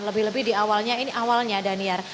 lebih lebih di awalnya ini awalnya daniar